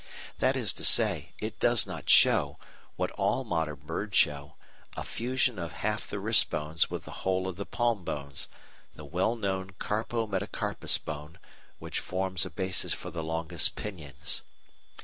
That is to say, it does not show, what all modern birds show, a fusion of half the wrist bones with the whole of the palm bones, the well known carpo metacarpus bone which forms a basis for the longest pinions.